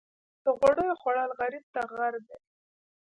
د غوړیو خوړل غریب ته غر دي.